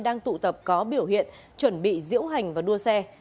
đang tụ tập có biểu hiện chuẩn bị diễu hành và đua xe